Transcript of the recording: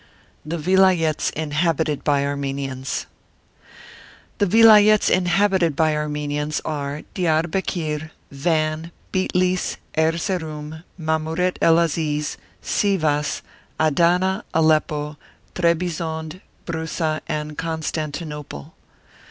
THE VILAYETS INHABITED BY ARMENIANS. The Vilayets inhabited by Armenians are Diarbekir, Van, Bitlis, Erzeroum, Mamouret el Aziz, Sivas, Adana, Aleppo, Trebizond, Broussa, and Constan tinople.